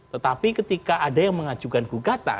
tetapi ketika ada yang mengajukan gugatan